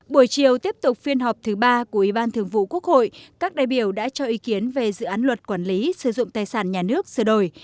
buổi chiều tiếp tục phiên họp thứ ba của ủy ban thường vụ quốc hội các đại biểu đã cho ý kiến về dự án luật quản lý sử dụng tài sản nhà nước sửa đổi